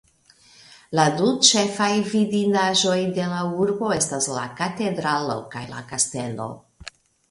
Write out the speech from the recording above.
La du ĉefaj vidindaĵoj de la urbo estas la katedralo kaj la kastelo.